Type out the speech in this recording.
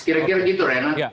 kira kira gitu renan